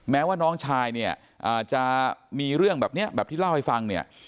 แม้ว่าน้องชายเนี่ยจะมีเรื่องแบบนี้แบบที่เล่าให้ฟังเนี่ย